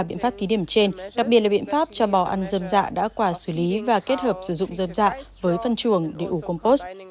các biện pháp ký điểm trên đặc biệt là biện pháp cho bò ăn dâm dạ đã quả xử lý và kết hợp sử dụng dâm dạ với phân chuồng để ủ compost